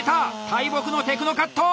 大木のテクノカット！